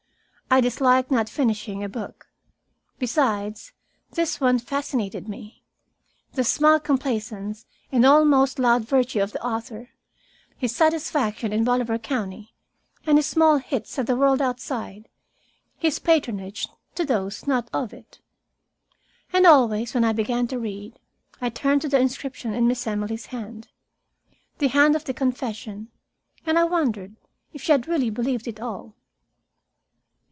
I dislike not finishing a book. Besides, this one fascinated me the smug complacence and almost loud virtue of the author, his satisfaction in Bolivar County, and his small hits at the world outside, his patronage to those not of it. And always, when I began to read, I turned to the inscription in Miss Emily's hand, the hand of the confession and I wondered if she had really believed it all.